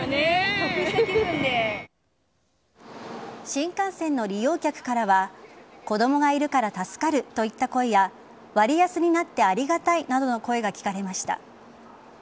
新幹線の利用客からは子供がいるから助かるといった声や割安になってありがたいなどの声が聞かれました。